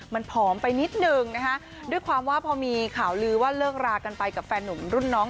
มันผอมไปนิดนึงนะคะด้วยความว่าพอมีข่าวลือว่าเลิกรากันไปกับแฟนหนุ่มรุ่นน้อง